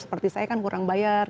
seperti saya kan kurang bayar